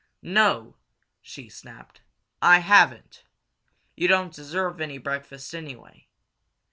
"No!" she snapped. "I haven't! You don't deserve any breakfast anyway.